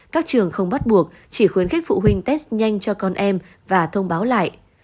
các trường không bắt buộc chỉ khuyến khích phụ huynh test nhanh cho con em và thông báo lại